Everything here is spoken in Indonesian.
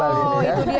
oh itu dia